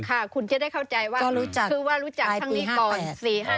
ค่ะคุณจะได้เข้าใจว่าคือว่ารู้จักครั้งนี้ก่อน๔๕